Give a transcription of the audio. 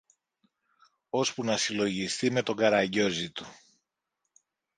ώσπου να συλλογιστεί με τον καραγκιόζη του